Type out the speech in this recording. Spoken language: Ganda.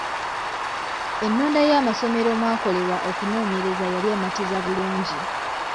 Ennonda y’amasomero omwakolerwa okunoonyereza yali ematiza bulungi.